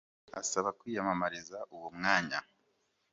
asaba kwiyamamariza uwo mwanya